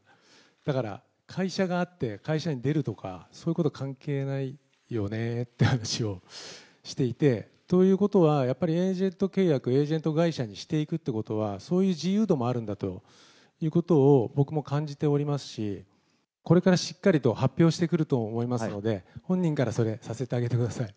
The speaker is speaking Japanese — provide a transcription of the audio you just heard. だから、会社があって、会社を出るとか、そういうこと関係ないよねって話をしていて、ということは、やっぱりエージェント契約、エージェント会社にしていくということは、そういう自由度もあるんだということを、僕も感じておりますし、これからしっかりと発表してくると思いますので、本人からそれ、させてあげてください。